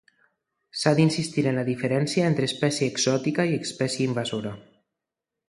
S'ha d'insistir en la diferència entre espècie exòtica i espècie invasora.